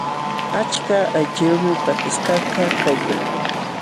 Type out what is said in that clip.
Achka aychayuqmi pataskakaq kaykan.